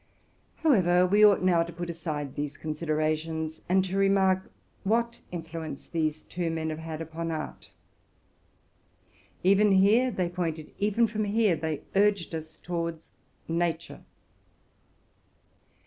However, we ought now to put aside these considerations, and to remark what influence these two men have had upon art. Even here they pointed, even from here they urged us, towards nature.